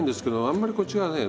あんまりこっちがね